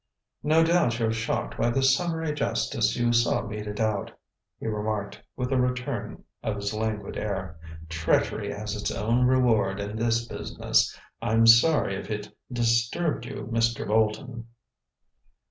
"No doubt you're shocked by the summary justice you saw meted out," he remarked with a return of his languid air. "Treachery has its own reward in this business. I'm sorry if it disturbed you, Mr. Bolton."